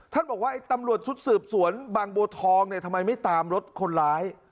ท่านบอกว่าไอ้ตำรวจชุดสืบสวนบางโบทองทำไมไม่ตามรถคนร้าย